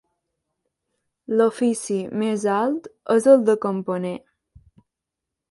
L'ofici més alt és el de campaner.